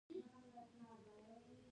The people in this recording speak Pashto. د باریون اکوسټک اوسیلیشن فاصله معلوموي.